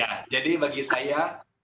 ya jadi bagi saya